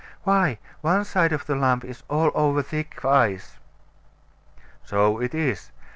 Why! one side of the lump is all over thick ice. So it is.